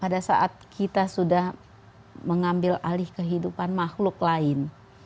pada saat kita sudah mengambil alih kehidupan makhluk lain